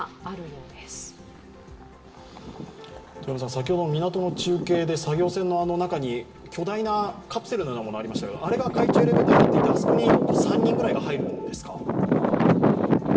先ほどの港の中継で作業船の中に巨大なカプセルのようなものがありましたが、あれが海中エレベーターになっていてあそこに３人ぐらいが入るんですか？